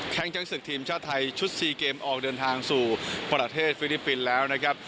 แก๊งศึกทีมชาติไทยชุด๔เกมออกเดินทางสู่ประเทศฟิลิปปินส์แล้วนะครับ